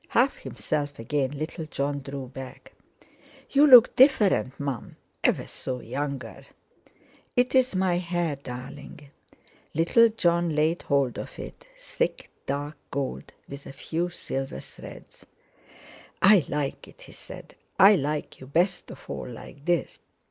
Half himself again, little Jon drew back. "You look different, Mum; ever so younger." "It's my hair, darling." Little Jon laid hold of it, thick, dark gold, with a few silver threads. "I like it," he said: "I like you best of all like this."